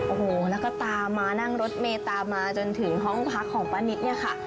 โอ้โหแล้วก็ตามมานั่งรถเมตามมาจนถึงห้องพักของป้านิตเนี่ยค่ะ